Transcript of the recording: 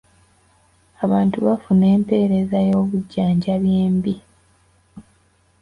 Abantu bafuna empeereza y'obujjanjabi embi.